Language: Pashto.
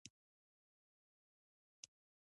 موږ دیوې کلیمې وړونه یو.